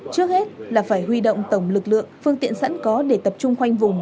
trước hết là phải huy động tổng lực lượng phương tiện sẵn có để tập trung khoanh vùng